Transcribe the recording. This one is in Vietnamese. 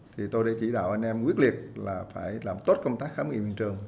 thì tôi đã chỉ đạo anh em quyết liệt là phải làm tốt công tác khám nghiệm hiện trường